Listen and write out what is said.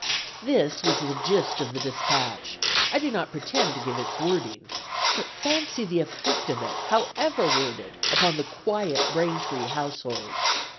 This was the gist of the despatch; I do not pretend to give its wording. But fancy the effect of it, however worded, on the quiet Braintree household!